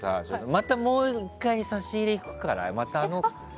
またもう１回、差し入れ行くから。